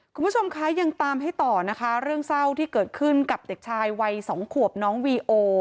คุณผู้ชมคะยังตามให้ต่อนะคะเรื่องเศร้าที่เกิดขึ้นกับเด็กชายวัยสองขวบน้องวีโอ